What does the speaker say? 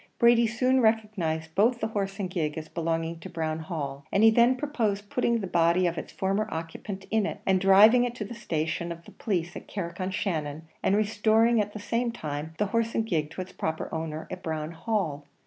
Brady soon recognised both the horse and gig as belonging to Brown Hall; and he then proposed putting the body of its former occupant in it, and driving it to the station of the police at Carrick on Shannon, and restoring at the same time the horse and gig to its proper owner at Brown Hall.